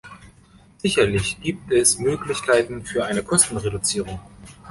Sicherlich gibt es Möglichkeiten für eine Kostenreduzierung.